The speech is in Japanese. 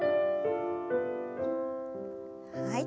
はい。